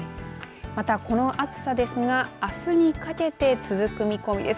またこの暑さですがあすにかけて続く見込みです。